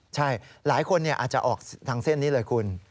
ใช่หลายคนอาจจะออกทางเส้นนี้เลยคุณ